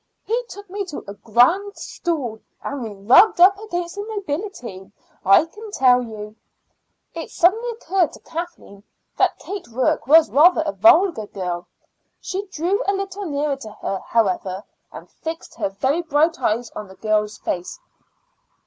He took me to a grand stall, and we rubbed up against the nobility, I can tell you." It suddenly occurred to Kathleen that Kate Rourke was rather a vulgar girl. She drew a little nearer to her, however, and fixed her very bright eyes on the girl's face."